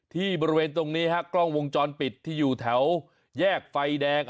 บริเวณตรงนี้ฮะกล้องวงจรปิดที่อยู่แถวแยกไฟแดง